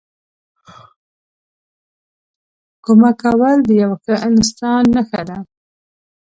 کمک کول د یوه ښه انسان نښه ده.